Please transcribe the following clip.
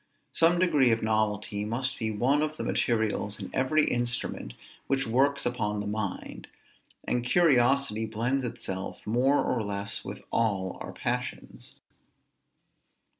Some degree of novelty must be one of the materials in every instrument which works upon the mind; and curiosity blends itself more or less with all our passions.